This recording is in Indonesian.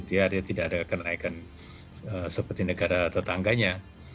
dia tidak ada kenaikan seperti negara tetangganya